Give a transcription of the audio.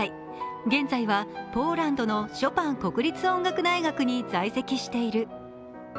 現在はポーランドのショパン国立音楽大学に在籍している。